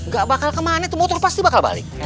gak bakal kemana itu motor pasti bakal balik